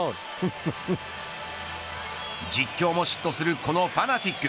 実況も嫉妬するこのファナティック。